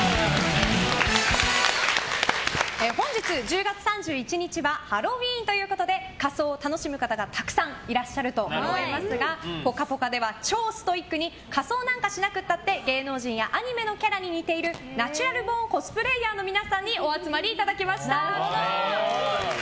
本日１０月３１日はハロウィーンということで仮装を楽しむ方がたくさんいらっしゃると思いますが「ぽかぽか」では超ストイックに仮装なんかしなくたって芸能人やアニメのキャラに似ているナチュラルボーンコスプレーヤーの皆さんにお集まりいただきました！